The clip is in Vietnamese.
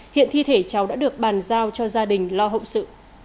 hiện thi thể cháu đã được bàn giao cho gia đình lo hậu sự